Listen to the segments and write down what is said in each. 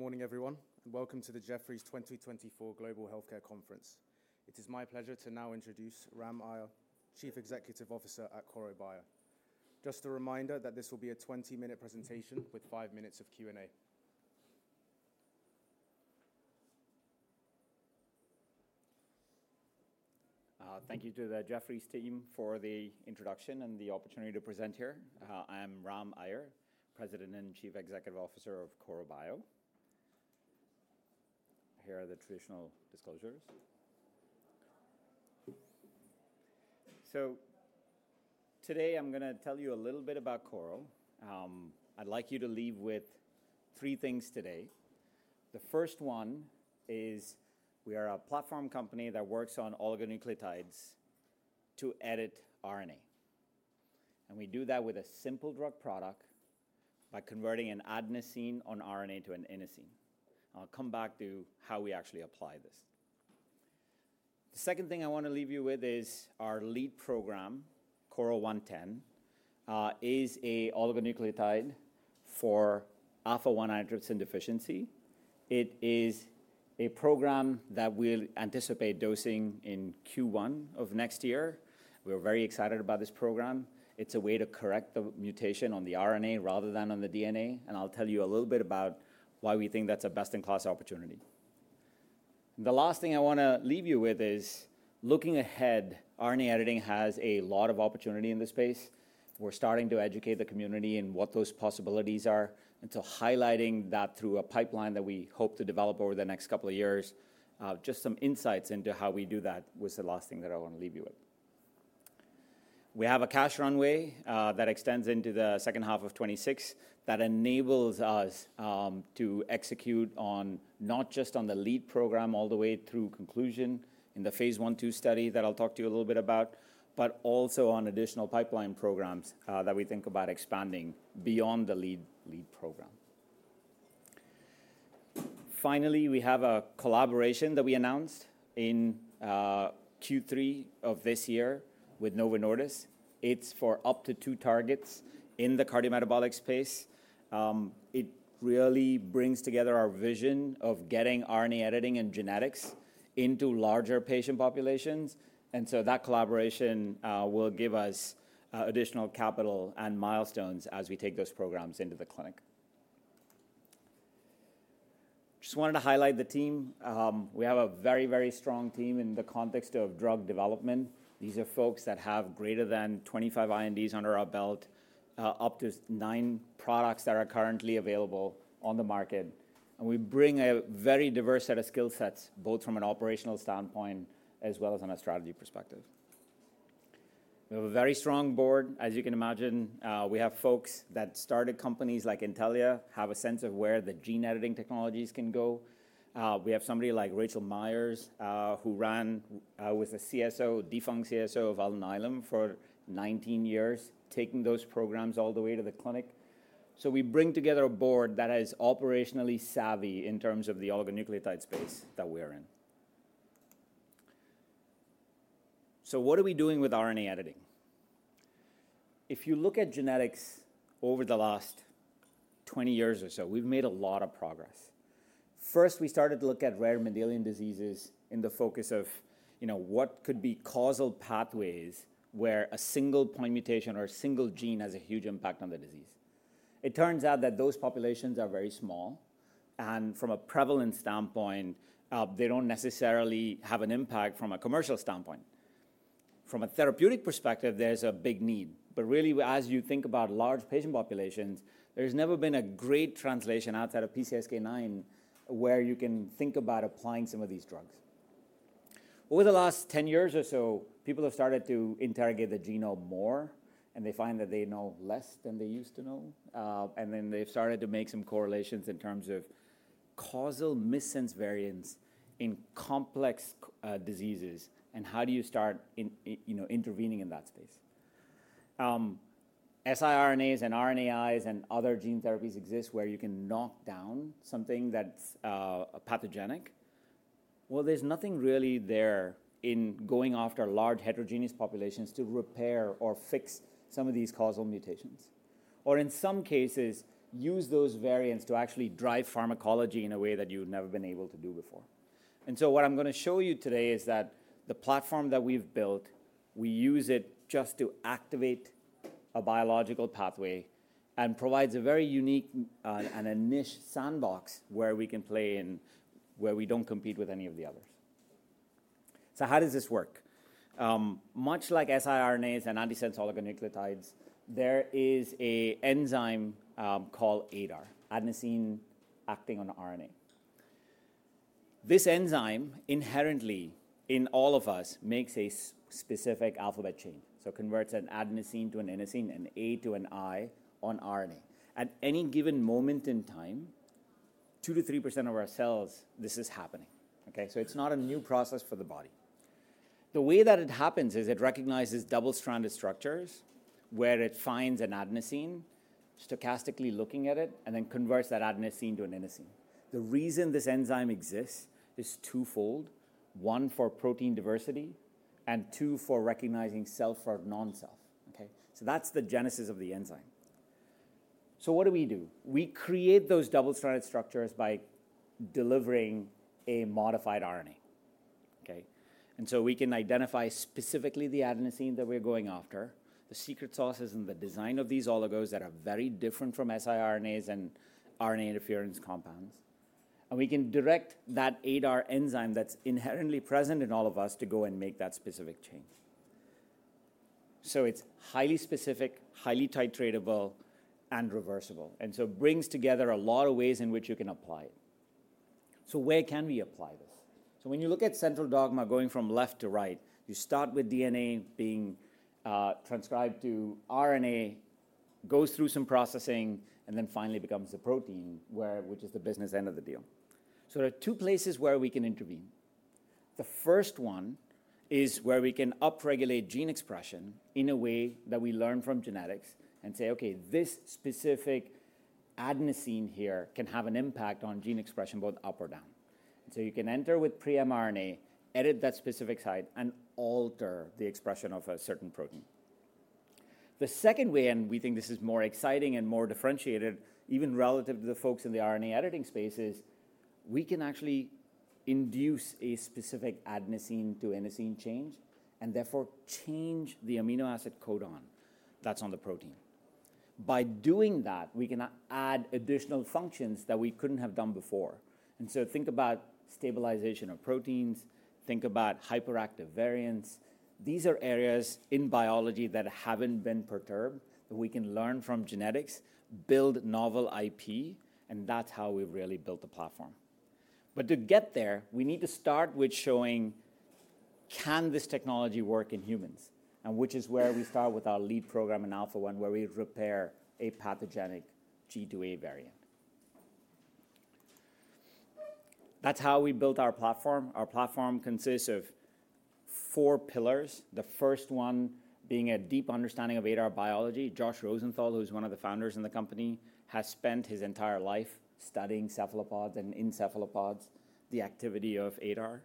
Good morning, everyone, and welcome to the Jefferies 2024 Global Healthcare Conference. It is my pleasure to now introduce Ram Aiyar, Chief Executive Officer at Korro Bio. Just a reminder that this will be a 20-minute presentation with five minutes of Q&A. Thank you to the Jefferies team for the introduction and the opportunity to present here. I am Ram Aiyar, President and Chief Executive Officer of Korro Bio. Here are the traditional disclosures, so today I'm going to tell you a little bit about Korro. I'd like you to leave with three things today. The first one is we are a platform company that works on oligonucleotides to edit RNA, and we do that with a simple drug product by converting an adenosine on RNA to an inosine. I'll come back to how we actually apply this. The second thing I want to leave you with is our lead program, KRRO-110, is an oligonucleotide for Alpha-1 Antitrypsin Deficiency. It is a program that we anticipate dosing in Q1 of next year. We're very excited about this program. It's a way to correct the mutation on the RNA rather than on the DNA. And I'll tell you a little bit about why we think that's a best-in-class opportunity. The last thing I want to leave you with is looking ahead. RNA editing has a lot of opportunity in this space. We're starting to educate the community in what those possibilities are and to highlight that through a pipeline that we hope to develop over the next couple of years. Just some insights into how we do that was the last thing that I want to leave you with. We have a cash runway that extends into the second half of 2026 that enables us to execute on not just the lead program all the way through conclusion in the phase I-II study that I'll talk to you a little bit about, but also on additional pipeline programs that we think about expanding beyond the lead program. Finally, we have a collaboration that we announced in Q3 of this year with Novo Nordisk. It's for up to two targets in the cardiometabolic space. It really brings together our vision of getting RNA editing and genetics into larger patient populations. And so that collaboration will give us additional capital and milestones as we take those programs into the clinic. Just wanted to highlight the team. We have a very, very strong team in the context of drug development. These are folks that have greater than 25 INDs under our belt, up to nine products that are currently available on the market. And we bring a very diverse set of skill sets, both from an operational standpoint as well as on a strategy perspective. We have a very strong board. As you can imagine, we have folks that started companies like Intellia, have a sense of where the gene editing technologies can go. We have somebody like Rachel Meyers, who was the former CSO of Alnylam for 19 years, taking those programs all the way to the clinic. So we bring together a board that is operationally savvy in terms of the oligonucleotide space that we are in. So what are we doing with RNA editing? If you look at genetics over the last 20 years or so, we've made a lot of progress. First, we started to look at rare medical diseases in the focus of what could be causal pathways where a single point mutation or a single gene has a huge impact on the disease. It turns out that those populations are very small. And from a prevalence standpoint, they don't necessarily have an impact from a commercial standpoint. From a therapeutic perspective, there's a big need. But really, as you think about large patient populations, there's never been a great translation outside of PCSK9 where you can think about applying some of these drugs. Over the last 10 years or so, people have started to interrogate the genome more, and they find that they know less than they used to know. And then they've started to make some correlations in terms of causal missense variants in complex diseases and how do you start intervening in that space? siRNAs and RNAi and other gene therapies exist where you can knock down something that's pathogenic. Well, there's nothing really there in going after large heterogeneous populations to repair or fix some of these causal mutations, or in some cases, use those variants to actually drive pharmacology in a way that you've never been able to do before. And so what I'm going to show you today is that the platform that we've built, we use it just to activate a biological pathway and provides a very unique and a niche sandbox where we can play in where we don't compete with any of the others. So how does this work? Much like siRNAs and antisense oligonucleotides, there is an enzyme called ADAR, adenosine acting on RNA. This enzyme inherently in all of us makes a specific alphabet change, so converts an adenosine to an inosine, an A to an I on RNA. At any given moment in time, 2%-3% of our cells, this is happening. So it's not a new process for the body. The way that it happens is it recognizes double-stranded structures where it finds an adenosine, stochastically looking at it, and then converts that adenosine to an inosine. The reason this enzyme exists is twofold: one, for protein diversity, and two, for recognizing self or non-self. So that's the genesis of the enzyme. So what do we do? We create those double-stranded structures by delivering a modified RNA. And so we can identify specifically the adenosine that we're going after, the secret sauce is in the design of these oligos that are very different from siRNAs and RNA interference compounds. And we can direct that ADAR enzyme that's inherently present in all of us to go and make that specific change. So it's highly specific, highly titratable, and reversible. And so it brings together a lot of ways in which you can apply it. So where can we apply this? So when you look at central dogma going from left to right, you start with DNA being transcribed to RNA, goes through some processing, and then finally becomes the protein, which is the business end of the deal. So there are two places where we can intervene. The first one is where we can upregulate gene expression in a way that we learn from genetics and say, "Okay, this specific adenosine here can have an impact on gene expression both up or down." So you can enter with pre-mRNA, edit that specific site, and alter the expression of a certain protein. The second way, and we think this is more exciting and more differentiated even relative to the folks in the RNA editing spaces, we can actually induce a specific adenosine to inosine change and therefore change the amino acid codon that's on the protein. By doing that, we can add additional functions that we couldn't have done before, and so think about stabilization of proteins, think about hyperactive variants. These are areas in biology that haven't been perturbed that we can learn from genetics, build novel IP, and that's how we've really built the platform. But to get there, we need to start with showing can this technology work in humans, which is where we start with our lead program in Alpha-1 where we repair a pathogenic G2A variant. That's how we built our platform. Our platform consists of four pillars, the first one being a deep understanding of ADAR biology. Josh Rosenthal, who's one of the founders in the company, has spent his entire life studying cephalopods, in cephalopods, the activity of ADAR.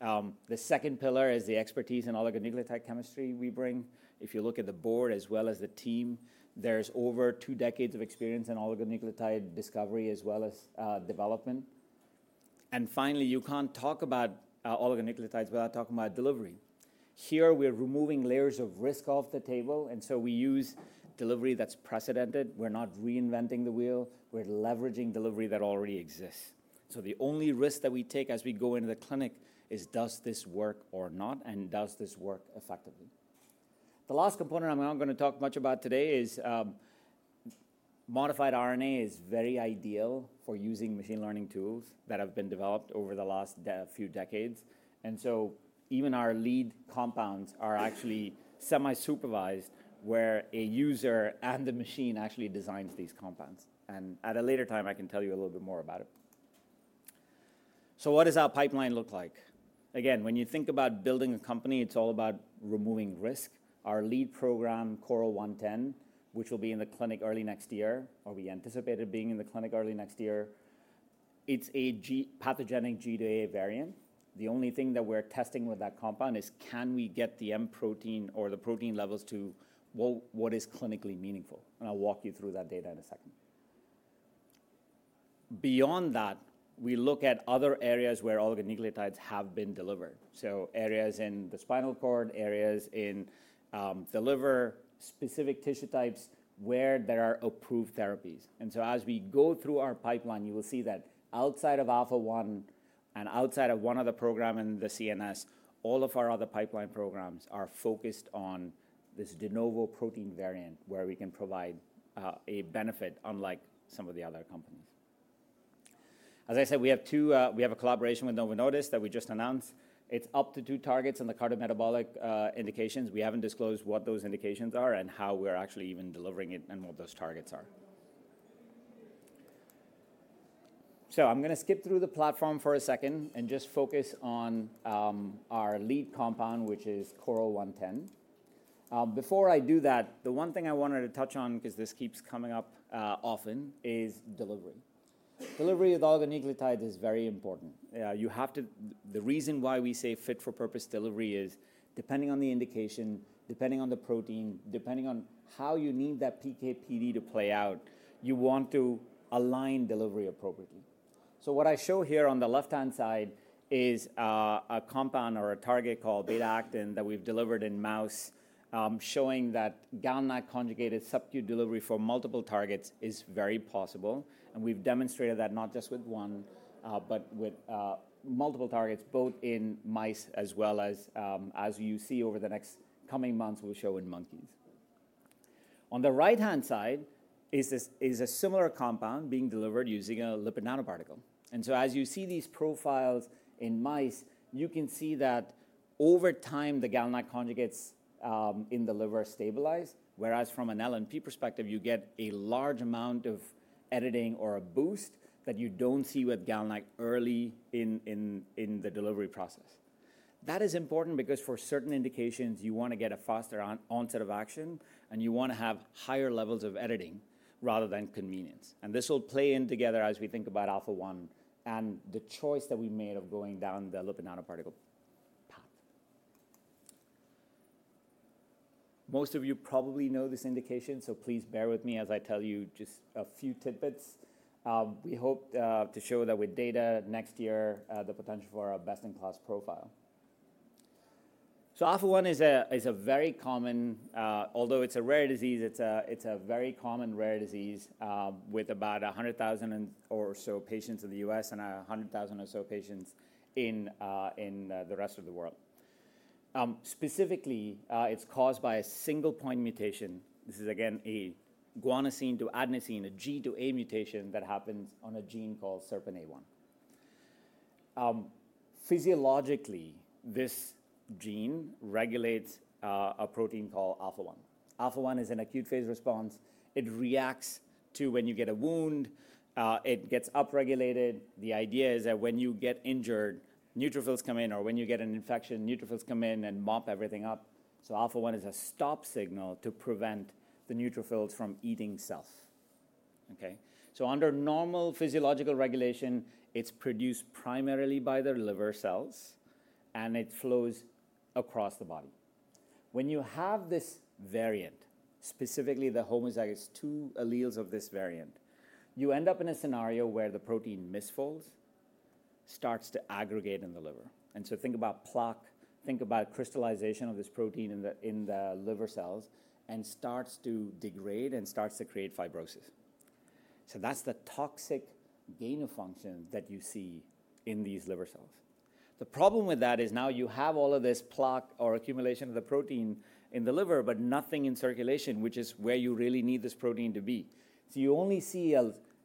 The second pillar is the expertise in oligonucleotide chemistry we bring. If you look at the board as well as the team, there's over two decades of experience in oligonucleotide discovery as well as development. And finally, you can't talk about oligonucleotides without talking about delivery. Here, we're removing layers of risk off the table. And so we use delivery that's precedented. We're not reinventing the wheel. We're leveraging delivery that already exists. So the only risk that we take as we go into the clinic is does this work or not, and does this work effectively? The last component I'm not going to talk much about today is, modified RNA is very ideal for using machine learning tools that have been developed over the last few decades, and so even our lead compounds are actually semi-supervised where a user and the machine actually designs these compounds, and at a later time, I can tell you a little bit more about it, so what does our pipeline look like? Again, when you think about building a company, it's all about removing risk. Our lead program, KRRO-110, which will be in the clinic early next year, or we anticipate it being in the clinic early next year, it's a pathogenic G2A variant. The only thing that we're testing with that compound is can we get the M protein or the protein levels to what is clinically meaningful? And I'll walk you through that data in a second. Beyond that, we look at other areas where oligonucleotides have been delivered, so areas in the spinal cord, areas in the liver, specific tissue types where there are approved therapies. And so as we go through our pipeline, you will see that outside of Alpha-1 and outside of one other program in the CNS, all of our other pipeline programs are focused on this de novo protein variant where we can provide a benefit unlike some of the other companies. As I said, we have a collaboration with Novo Nordisk that we just announced. It's up to two targets on the cardiometabolic indications. We haven't disclosed what those indications are and how we're actually even delivering it and what those targets are. So I'm going to skip through the platform for a second and just focus on our lead compound, which is KRRO-110. Before I do that, the one thing I wanted to touch on, because this keeps coming up often, is delivery. Delivery of oligonucleotides is very important. The reason why we say fit-for-purpose delivery is depending on the indication, depending on the protein, depending on how you need that PK/PD to play out, you want to align delivery appropriately. So what I show here on the left-hand side is a compound or a target called beta-actin that we've delivered in mouse, showing that GalNAc conjugated subQ delivery for multiple targets is very possible. And we've demonstrated that not just with one, but with multiple targets, both in mice as well as, as you see over the next coming months, we'll show in monkeys. On the right-hand side is a similar compound being delivered using a lipid nanoparticle. And so as you see these profiles in mice, you can see that over time, the GalNAc conjugates in the liver stabilize, whereas from an LNP perspective, you get a large amount of editing or a boost that you don't see with GalNAc early in the delivery process. That is important because for certain indications, you want to get a faster onset of action, and you want to have higher levels of editing rather than convenience. And this will play in together as we think about Alpha-1 and the choice that we made of going down the lipid nanoparticle path. Most of you probably know this indication, so please bear with me as I tell you just a few tidbits. We hope to show that with data next year, the potential for our best-in-class profile, so Alpha-1 is a very common, although it's a rare disease, it's a very common rare disease with about 100,000 or so patients in the U.S. and 100,000 or so patients in the rest of the world. Specifically, it's caused by a single-point mutation. This is, again, a guanosine to adenosine, a G2A mutation that happens on a gene called SERPINA1. Physiologically, this gene regulates a protein called Alpha-1. Alpha-1 is an acute phase response. It reacts to when you get a wound. It gets upregulated. The idea is that when you get injured, neutrophils come in, or when you get an infection, neutrophils come in and mop everything up. Alpha-1 is a stop signal to prevent the neutrophils from eating cells. Under normal physiological regulation, it's produced primarily by the liver cells, and it flows across the body. When you have this variant, specifically the homozygous two alleles of this variant, you end up in a scenario where the protein misfolds, starts to aggregate in the liver. Think about plaque, think about crystallization of this protein in the liver cells, and starts to degrade and starts to create fibrosis. That's the toxic gain of function that you see in these liver cells. The problem with that is now you have all of this plaque or accumulation of the protein in the liver, but nothing in circulation, which is where you really need this protein to be. You only see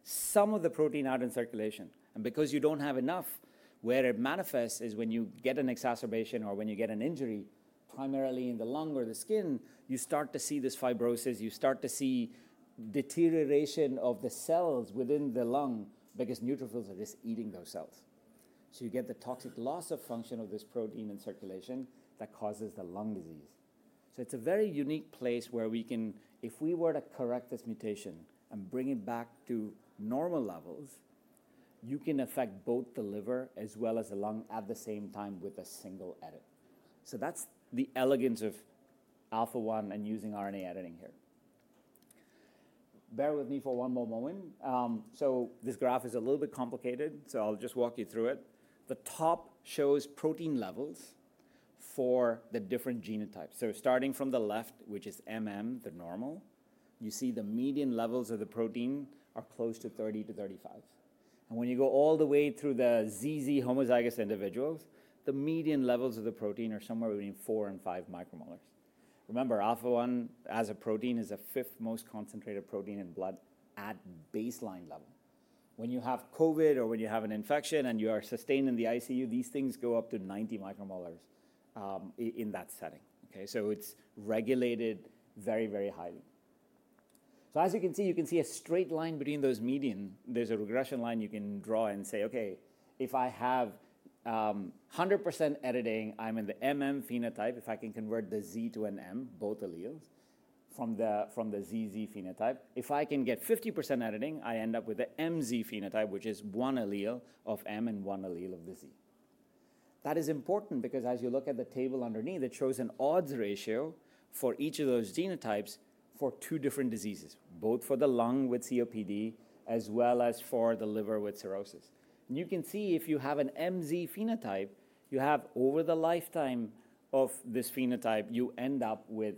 some of the protein out in circulation. Because you don't have enough, where it manifests is when you get an exacerbation or when you get an injury primarily in the lung or the skin, you start to see this fibrosis. You start to see deterioration of the cells within the lung because neutrophils are just eating those cells. You get the toxic loss of function of this protein in circulation that causes the lung disease. It's a very unique place where we can, if we were to correct this mutation and bring it back to normal levels, you can affect both the liver as well as the lung at the same time with a single edit. That's the elegance of Alpha-1 and using RNA editing here. Bear with me for one more moment. This graph is a little bit complicated, so I'll just walk you through it. The top shows protein levels for the different genotypes. So starting from the left, which is the normal, you see the median levels of the protein are close to 30-35. And when you go all the way through the ZZ homozygous individuals, the median levels of the protein are somewhere between four and five micromolars. Remember, Alpha-1 as a protein is the 5th most concentrated protein in blood at baseline level. When you have COVID or when you have an infection and you are sustained in the ICU, these things go up to 90 micromolars in that setting. So it's regulated very, very highly. So as you can see, you can see a straight line between those median. There's a regression line you can draw and say, "Okay, if I have 100% editing, I'm in the phenotype. If I can convert the Z to an M, both alleles from the ZZ phenotype, if I can get 50% editing, I end up with the MZ phenotype, which is one allele of M and one allele of the Z." That is important because as you look at the table underneath, it shows an odds ratio for each of those genotypes for two different diseases, both for the lung with COPD as well as for the liver with cirrhosis. And you can see if you have an MZ phenotype, you have over the lifetime of this phenotype, you end up with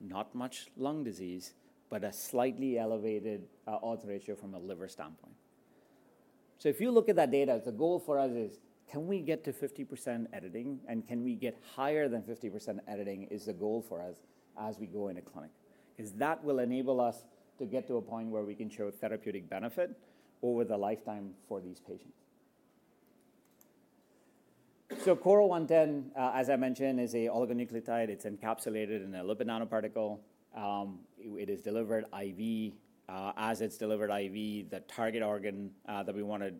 not much lung disease, but a slightly elevated odds ratio from a liver standpoint. So if you look at that data, the goal for us is, can we get to 50% editing? And can we get higher than 50% editing? Is the goal for us as we go into clinic? Because that will enable us to get to a point where we can show therapeutic benefit over the lifetime for these patients. So KRRO-110, as I mentioned, is an oligonucleotide. It's encapsulated in a lipid nanoparticle. It is delivered IV. As it's delivered IV, the target organ that we want to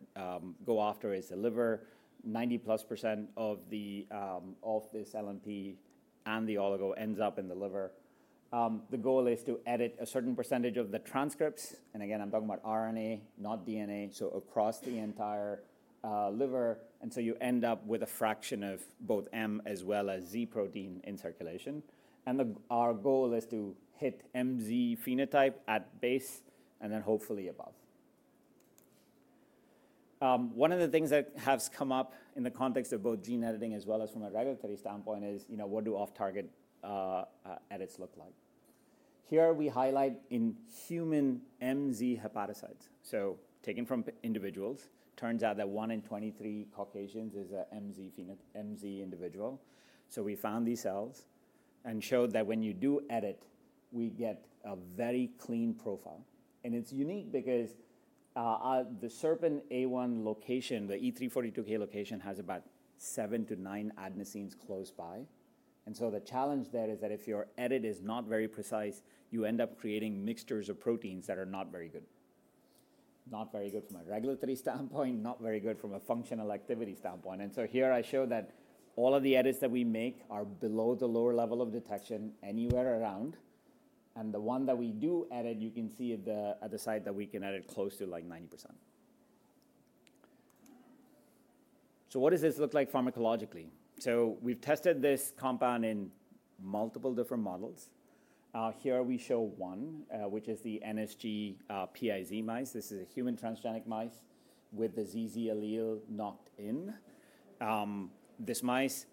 go after is the liver. 90%+ of this LNP and the oligo ends up in the liver. The goal is to edit a certain percentage of the transcripts. And again, I'm talking about RNA, not DNA, so across the entire liver. And so you end up with a fraction of both M as well as Z protein in circulation. And our goal is to hit MZ phenotype at base and then hopefully above. One of the things that has come up in the context of both gene editing as well as from a regulatory standpoint is, what do off-target edits look like? Here we highlight in human MZ hepatocytes. So taken from individuals, turns out that one in 23 Caucasians is an MZ individual. So we found these cells and showed that when you do edit, we get a very clean profile. And it's unique because the SERPINA1 location, the E342K location, has about seven adenosines-nine adenosines close by. And so the challenge there is that if your edit is not very precise, you end up creating mixtures of proteins that are not very good. Not very good from a regulatory standpoint, not very good from a functional activity standpoint. And so here I show that all of the edits that we make are below the lower level of detection anywhere around. And the one that we do edit, you can see at the site that we can edit close to like 90%. So what does this look like pharmacologically? So we've tested this compound in multiple different models. Here we show one, which is the NSG-PiZ mice. This is a human transgenic mice with the ZZ allele knocked in. This mice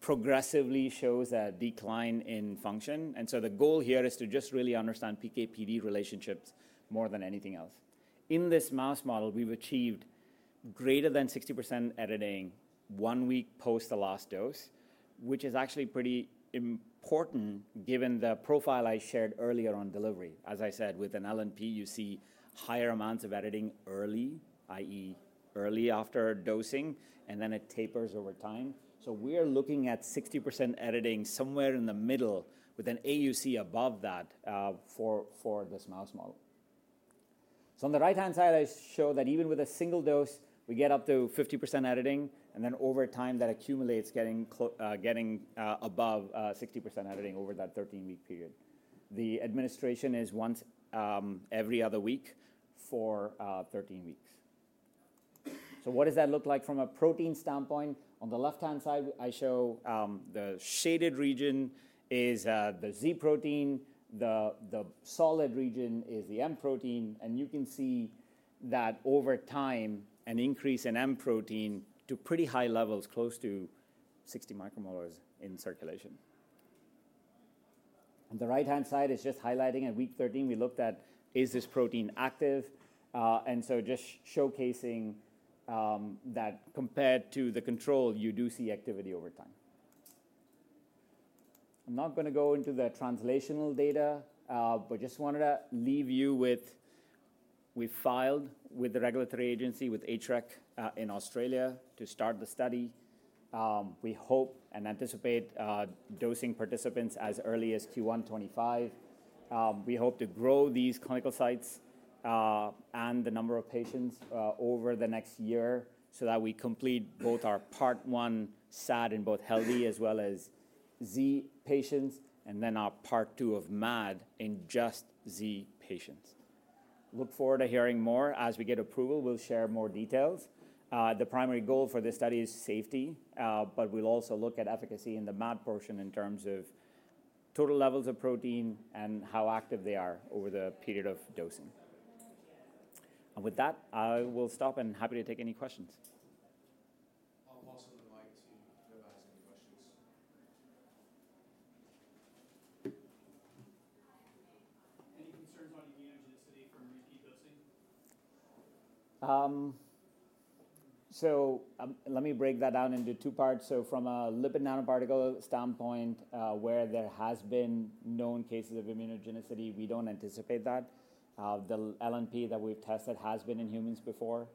progressively shows a decline in function. And so the goal here is to just really understand PK/PD relationships more than anything else. In this mouse model, we've achieved greater than 60% editing one week post the last dose, which is actually pretty important given the profile I shared earlier on delivery. As I said, with an LNP, you see higher amounts of editing early, i.e., early after dosing, and then it tapers over time. So we're looking at 60% editing somewhere in the middle with an AUC above that for this mouse model. So on the right-hand side, I show that even with a single dose, we get up to 50% editing. And then over time, that accumulates getting above 60% editing over that 13-week period. The administration is once every other week for 13 weeks. So what does that look like from a protein standpoint? On the left-hand side, I show the shaded region is the Z protein. The solid region is the M protein. And you can see that over time, an increase in M protein to pretty high levels, close to 60 micromolars in circulation. And the right-hand side is just highlighting at week 13, we looked at, is this protein active? And so just showcasing that compared to the control, you do see activity over time. I'm not going to go into the translational data, but just wanted to leave you with we filed with the regulatory agency with HREC in Australia to start the study. We hope and anticipate dosing participants as early as Q1 2025. We hope to grow these clinical sites and the number of patients over the next year so that we complete both our part one SAD in both healthy as well as Z patients, and then our part two of MAD in just Z patients. Look forward to hearing more. As we get approval, we'll share more details. The primary goal for this study is safety, but we'll also look at efficacy in the MAD portion in terms of total levels of protein and how active they are over the period of dosing. And with that, I will stop and happy to take any questions. I'll pass the mic to Korro Bio for any questions. Hi. Any concerns about immunogenicity from repeat dosing? Let me break that down into two parts. From a lipid nanoparticle standpoint, where there has been known cases of immunogenicity, we don't anticipate that. The LNP that we've tested has been in humans before,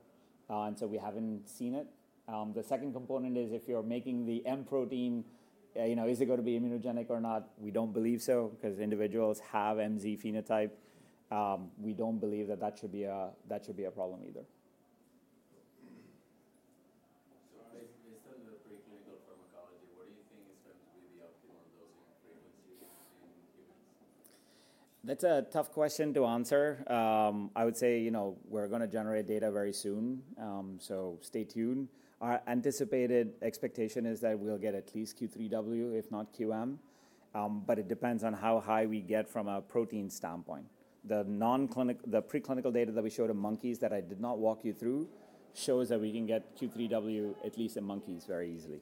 and so we haven't seen it. The second component is if you're making the M protein, is it going to be immunogenic or not? We don't believe so because individuals have MZ phenotype. We don't believe that that should be a problem either. So based on the preclinical pharmacology, what do you think is going to be the optimal dosing frequency in humans? That's a tough question to answer. I would say we're going to generate data very soon, so stay tuned. Our anticipated expectation is that we'll get at least Q3W, if not QM, but it depends on how high we get from a protein standpoint. The preclinical data that we showed in monkeys that I did not walk you through shows that we can get Q3W at least in monkeys very easily.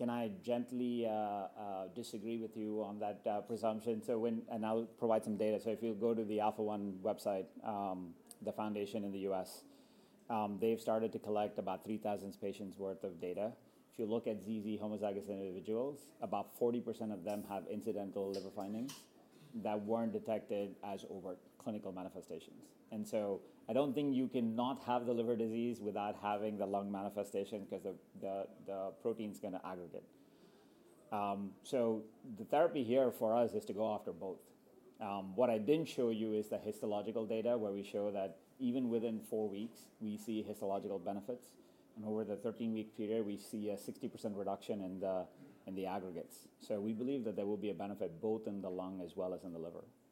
In the total AATD space, 80% of the patients have no liver disease. So do you see a focus for this for liver only, or as you're expecting other things to come in to support the combination? Can I gently disagree with you on that presumption? And I'll provide some data. So if you go to the Alpha-1 website, the Alpha-1 Foundation in the U.S., they've started to collect about 3,000 patients' worth of data. If you look at ZZ homozygous individuals, about 40% of them have incidental liver findings that weren't detected as overt clinical manifestations. And so I don't think you cannot have the liver disease without having the lung manifestation because the protein's going to aggregate. So the therapy here for us is to go after both. What I didn't show you is the histological data where we show that even within four weeks, we see histological benefits. And over the 13-week period, we see a 60% reduction in the aggregates. So we believe that there will be a benefit both in the lung as well as in the liver.